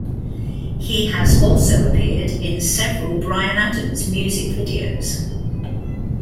He has also appeared in several Bryan Adams music videos.